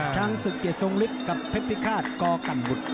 ช้างเสือกจีสงฤทธิ์กับเพิปพิคราชกอกันบุตร